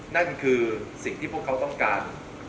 นั่นคือสิ่งที่พวกเขาต้องการ